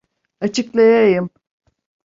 Açıklayayım.